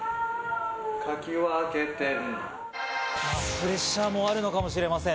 プレッシャーもあるのかもしれません。